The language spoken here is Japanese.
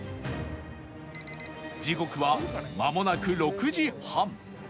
時刻はまもなく６時半